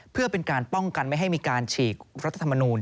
เพื่อเป็นการป้องกันไม่ให้มีการฉีกรัฐธรรมนูล